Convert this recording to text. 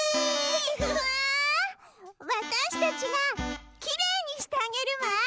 うわわたしたちがきれいにしてあげるわ。